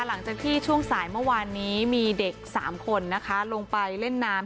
หลังจากที่ช่วงสายเมื่อวานนี้มีเด็ก๓คนนะคะลงไปเล่นน้ำ